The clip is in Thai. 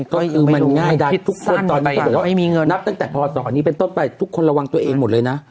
คุณตอนนี้เนี่ยทุกคนเรวางตัวเองหมดเลยนะ